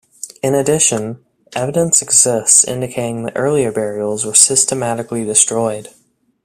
In addition, evidence exists indicating that earlier burials were systematically destroyed.